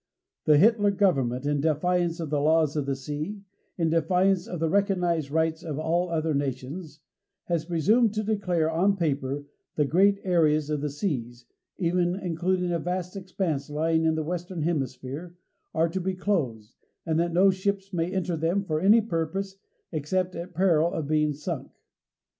The Hitler government, in defiance of the laws of the sea, in defiance of the recognized rights of all other nations, has presumed to declare, on paper, that great areas of the seas even including a vast expanse lying in the Western Hemisphere are to be closed, and that no ships may enter them for any purpose, except at peril of being sunk.